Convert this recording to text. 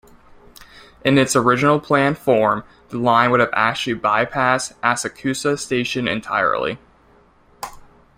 In its original plan form, the line would have actually bypassed Asakusa Station entirely.